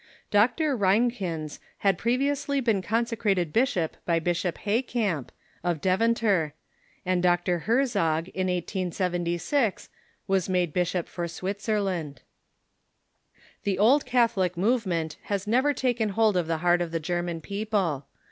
Dr. Reinkens had previously been consecrated bishop by Bishop Heykamp, of Deventer; and Dr. Herzog, in 1876, was made bishop for Switzerland. The Old Catholic movement has never taken hold of the heart of the German people.